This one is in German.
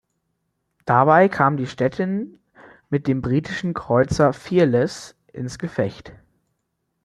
Dabei kam die "Stettin" mit dem britischen Kreuzer "Fearless" ins Gefecht.